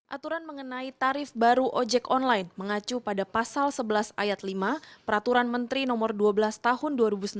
aturan mengenai tarif baru ojek online mengacu pada pasal sebelas ayat lima peraturan menteri no dua belas tahun dua ribu sembilan belas